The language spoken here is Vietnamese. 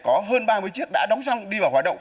có hơn ba mươi chiếc đã đóng xong đi vào hoạt động